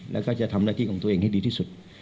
แล้วก็จะทำหน้าที่ของตัวเองให้ดีที่สุด